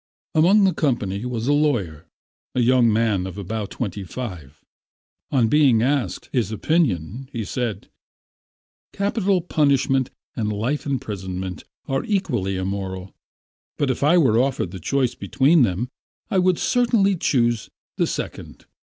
Among the company was a lawyer, a young man of about twenty five. On being asked his opinion, he said: "Capital punishment and life imprisonment are equally immoral; but if I were offered the choice between them, I would certainly choose the second.